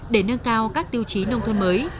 để nâng cao các tiêu chí nông thôn mới